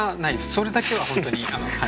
それだけは本当に。